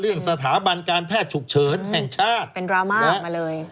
เรื่องสถาบันการแพทย์ฉุกเฉินแห่งชาติเป็นดราม่าออกมาเลย